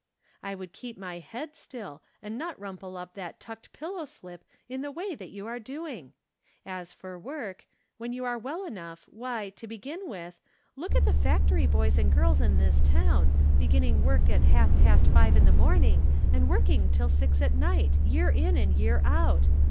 " I would keep my head still, and not rumple up that tucked piUow slip in the way that you are doing. As for work, when you are well enough, why, to begin with, look at the factory From Different Standpoints. 119 boys and girls in this town, beginning work at half past five in the morning and working tUl six at night, year in and year out.